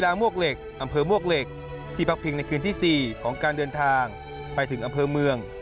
และก็เป็นคนไทยคูณหนึ่งที่ได้อยากจะอยากจะไปอีกครั้งนึงยังไปกับพ่ออยุงหัว